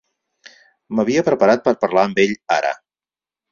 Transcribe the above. M'havia preparat per parlar amb ell ara.